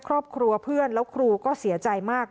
ครอบครัวเพื่อนแล้วครูก็เสียใจมาก